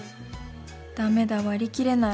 だめだ割り切れない。